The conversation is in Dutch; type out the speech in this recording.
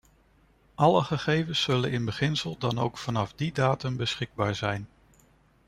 Alle gegevens zullen in beginsel dan ook vanaf die datum beschikbaar zijn.